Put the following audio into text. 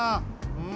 うん。